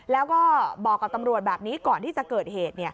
แล้วก็บอกกับตำรวจแบบนี้ก่อนที่จะเกิดเหตุ